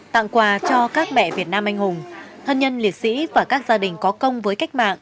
tặng quà cho các mẹ việt nam anh hùng thân nhân liệt sĩ và các gia đình có công với cách mạng